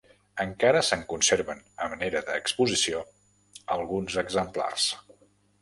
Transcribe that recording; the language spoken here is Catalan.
Encara se’n conserven, a manera d’exposició, alguns exemplars.